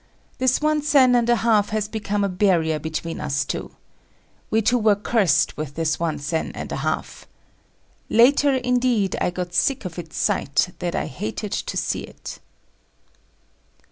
This one sen and a half has become a barrier between us two. We two were cursed with this one sen and a half. Later indeed I got sick of its sight that I hated to see it.